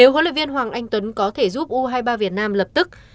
điều huấn luyện viên hoàng anh tuấn có thể giúp u hai mươi ba việt nam lập tức